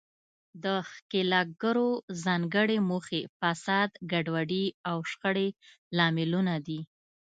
د ښکیلاکګرو ځانګړې موخې، فساد، ګډوډي او شخړې لاملونه دي.